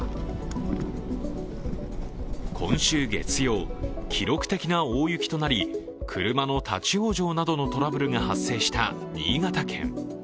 今週月曜、記録的な大雪となり車の立往生などのトラブルが発生した新潟県。